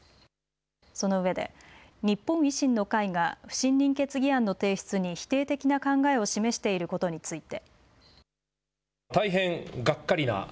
そのうえで日本維新の会が不信任決議案の提出に否定的な考えを示していることについて。